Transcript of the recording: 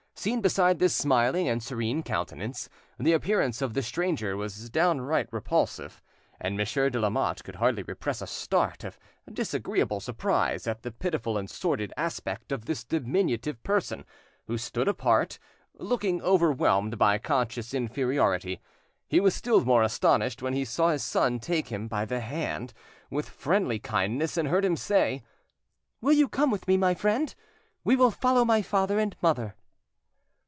Seen beside this smiling and serene countenance, the appearance of the stranger was downright repulsive, and Monsieur de Lamotte could hardly repress a start of disagreeable surprise at the pitiful and sordid aspect of this diminutive person, who stood apart, looking overwhelmed by conscious inferiority. He was still more astonished when he saw his son take him by the hand with friendly kindness, and heard him say— "Will you come with me, my friend? We will follow my father and mother."